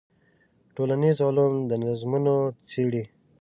ټولنیز علوم دا نظمونه څېړي.